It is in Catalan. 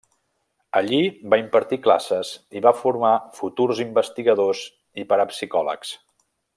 Allí va impartir classes i va formar futurs investigadors i parapsicòlegs.